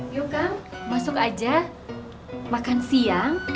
yuk kang masuk aja makan siang